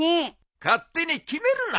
勝手に決めるな。